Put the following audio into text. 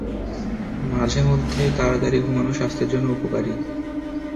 মাঝেমধ্যে তাড়াতাড়ি ঘুমানো স্বাস্থ্যের জন্য উপকারী।